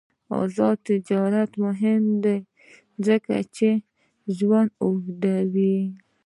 آزاد تجارت مهم دی ځکه چې ژوند اوږدوي.